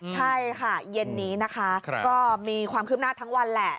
ใช่ค่ะเย็นนี้นะคะก็มีความคืบหน้าทั้งวันแหละ